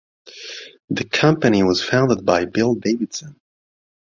The company was founded by Bill Davidson.